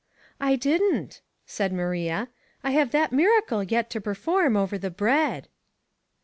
" I didn't," said Maria. " I have that mira cle yet to perform over the bread.